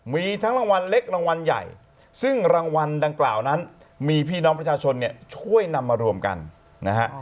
มีทั้งรางวัลเล็กรางวัลใหญ่ซึ่งรางวัลดังกล่าวนั้นมีพี่น้องประชาชนเนี่ยช่วยนำมารวมกันนะฮะ